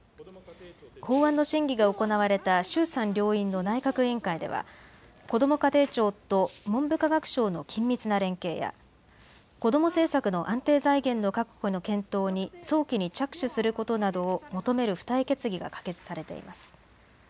法案の審議が行われた衆参両院の内閣委員会ではこども家庭庁と文部科学省の緊密な連携や子ども政策の安定財源の確保の検討に早期に着手することなどを求める付帯決議が可決されています。